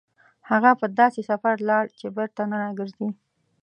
هغه په داسې سفر لاړ چې بېرته نه راګرځي.